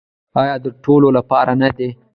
آیا د ټولو لپاره نه دی؟